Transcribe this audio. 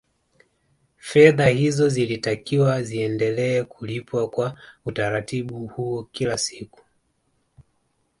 Fedha hizo zilitakiwa ziendelee kulipwa kwa utaratibu huo kila siku